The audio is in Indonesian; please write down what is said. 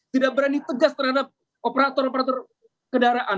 tidak berani tegas terhadap operator operator kendaraan